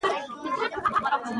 ژبه د تفکر هنداره ده.